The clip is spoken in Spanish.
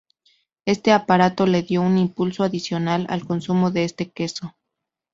Este aparato le dio un impulso adicional al consumo de este queso.